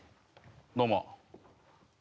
どうも。